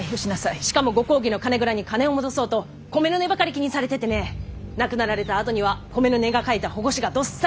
しかもご公儀の金蔵に金を戻そうと米の値ばかり気にされててね亡くなられたあとには米の値が書いた反故紙がどっさりだ。